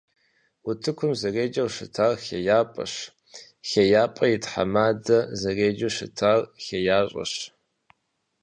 УтыкӀум зэреджэу щытар «ХеяпӀэщ», ХейяпӀэм и тхьэмадэм зэреджэу щытар «ХеящӀэщ».